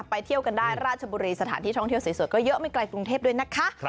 เที่ยวกันได้ราชบุรีสถานที่ท่องเที่ยวสวยก็เยอะไม่ไกลกรุงเทพด้วยนะคะ